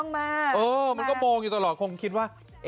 มันก็มองอยู่ตลอดคงคิดว่า